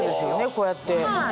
こうやって。